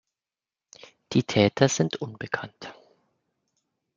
Die Täter sind unbekannt.